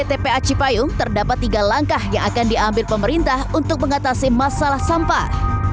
di tpa cipayung terdapat tiga langkah yang akan diambil pemerintah untuk mengatasi masalah sampah